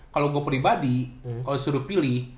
kalau gue pribadi kalau suruh pilih